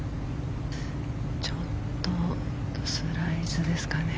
ちょっとスライスですかね。